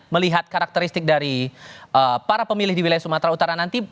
melihat karakteristik dari para pemilih di wilayah sumatera utara nanti